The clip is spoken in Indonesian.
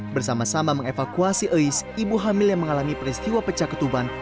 bersama sama mengevakuasi ais ibu hamil yang mengalami peristiwa pecah ketuban